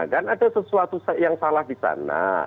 kan ada sesuatu yang salah di sana